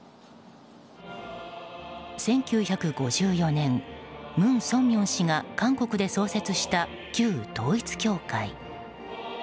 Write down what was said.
１９５４年文鮮明氏が韓国で創設した旧統一教会。